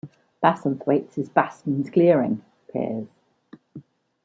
'Bassenthwaite' is 'Bastun's clearing', pers.